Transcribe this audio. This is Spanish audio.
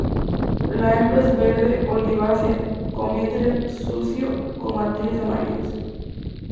La hembra es verde olivácea con vientre sucio con matices amarillos.